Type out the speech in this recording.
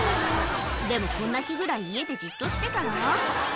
でもこんな日ぐらい家でじっとしてたら？